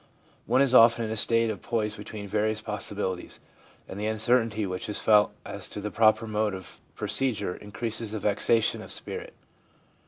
One is often in a state of poise between various possibilities, and the uncertainty which is felt as to the proper mode of procedure increases the vexation of spirit.